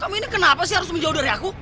kamu ini kenapa sih harus menjauh dari aku